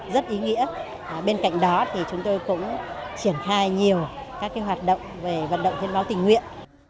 rất ý nghĩa bên cạnh đó thì chúng tôi cũng triển khai nhiều các hoạt động về vận động thiết báo tình nguyện